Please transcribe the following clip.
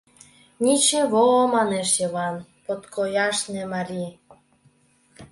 — Ничево, — манеш Йыван, — подкояшне марий.